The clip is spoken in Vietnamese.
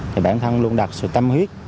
thì bản thân luôn đặt sự tâm huyết